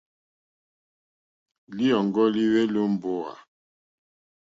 Lǐyɔ̀ŋgɔ́ líhwélì ó mbówà.